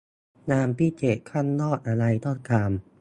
งานพิเศษข้างนอกอะไรก็ตาม